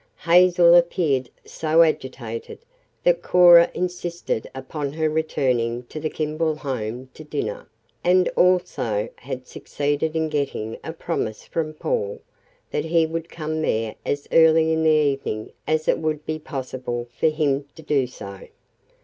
Hazel appeared so agitated that Cora insisted upon her returning to the Kimball home to dinner, and also had succeeded in getting a promise from Paul that he would come there as early in the evening as it would be possible for him to do so.